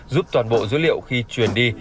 giúp toàn bộ dữ liệu khi truyền đi